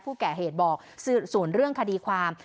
แกะเหตุบอกส่วนเรื่องคดีความ